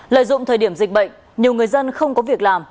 lợi dụng thời điểm dịch bệnh nhiều người dân không có việc làm